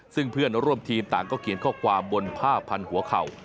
ซึ่งเพื่อนร่วมทีมต่างก็เขียนข้อความบนผ้าพันหัวเข่า